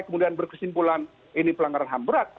kemudian berkesimpulan ini pelanggaran ham berat